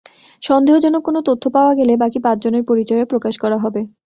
সন্দেহজনক কোনো তথ্য পাওয়া গেলে বাকি পাঁচজনের পরিচয়ও প্রকাশ করা হবে।